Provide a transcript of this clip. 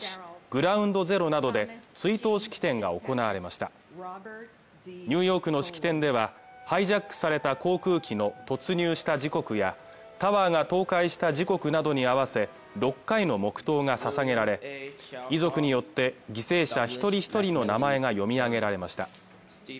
グラウンド・ゼロなどで式典が行われましたニューヨークの式典ではハイジャックされた航空機の突入した時刻やタワーが倒壊した時刻などに合わせ６回の黙とうがささげられ遺族によって犠牲者一人ひとりの名前が読み上げられました